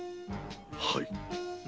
はい。